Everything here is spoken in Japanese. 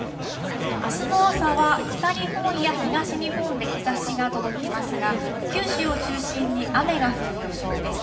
あすの朝は北日本や東日本で日ざしが届きますが、九州を中心に雨が降る予想です。